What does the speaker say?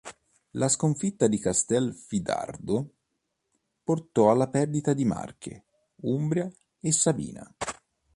La sconfitta di Castelfidardo portò alla perdita di Marche, Umbria e Sabina.